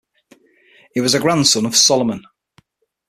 He was a grandson of Solomon.